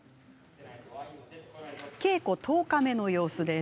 稽古１０日目の様子です。